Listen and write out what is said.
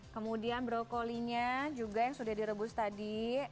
kemudian brokolinya juga yang sudah direbus tadi